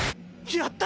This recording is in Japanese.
やった！